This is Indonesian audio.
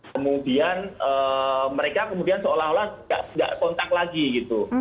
kemudian mereka kemudian seolah olah tidak kontak lagi gitu